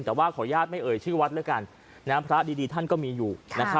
แต่ว่าขออนุญาตไม่เอ่ยชื่อวัดแล้วกันพระดีท่านก็มีอยู่